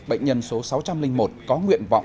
bệnh nhân số sáu trăm linh một có nguyện vọng